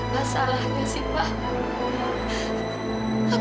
banyak orang yang berpikir mama